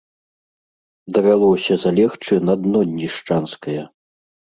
Давялося залегчы на дно днішчанскае.